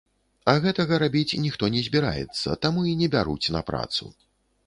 А гэтага рабіць ніхто не збіраецца, таму і не бяруць на працу.